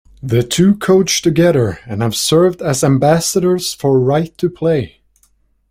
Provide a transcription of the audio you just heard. The two coach together, and have served as ambassadors for Right to Play.